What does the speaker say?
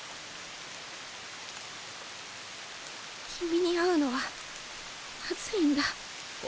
君に会うのはまずいんだ。